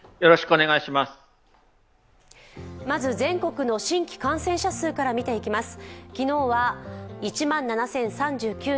まず、全国の新規感染者数から見ていきます。